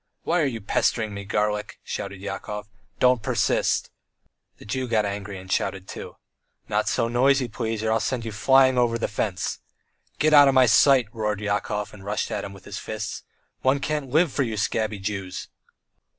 "Why are you pestering me, garlic?" shouted Yakov. "Don't persist!" The Jew got angry and shouted too: "Not so noisy, please, or I'll send you flying over the fence!" "Get out of my sight!" roared Yakov, and rushed at him with his fists. "One can't live for you scabby Jews!"